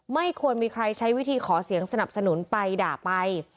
ไม่ควรมีใครใช้วิธีขอเสียงสนับสนุนไปด่าไป